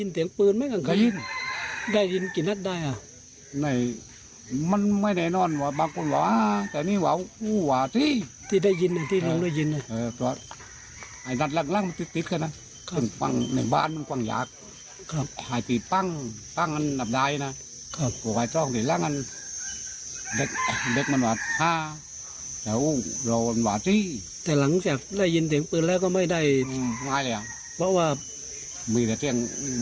ทีมสืบสวนสภจุลพอเนี่ย